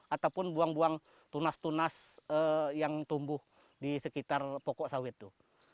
ataupun buang buang tunas tunas yang tumbuh di sekitar pokok sawit itu